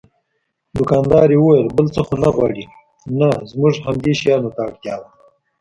دوکاندارې وویل: بل څه خو نه غواړئ؟ نه، زموږ همدې شیانو ته اړتیا وه.